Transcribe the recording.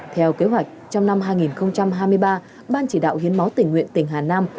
theo kế hoạch trong năm hai nghìn hai mươi ba ban chỉ đạo hiến máu tỉnh nguyện tỉnh hà nam